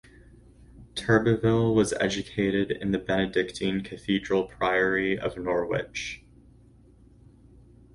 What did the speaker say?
Turbeville was educated in the Benedictine cathedral-priory of Norwich.